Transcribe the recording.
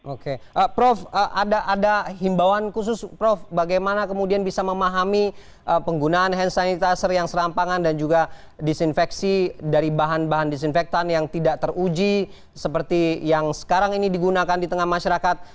oke prof ada himbauan khusus prof bagaimana kemudian bisa memahami penggunaan hand sanitizer yang serampangan dan juga disinfeksi dari bahan bahan disinfektan yang tidak teruji seperti yang sekarang ini digunakan di tengah masyarakat